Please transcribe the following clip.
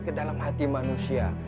kedalam hati manusia